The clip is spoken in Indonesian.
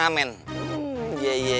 ambil ke cerita